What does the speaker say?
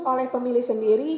oleh pemilih sendiri